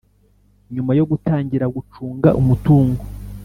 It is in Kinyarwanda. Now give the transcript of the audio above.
Nyuma yo gutangira gucunga umutungo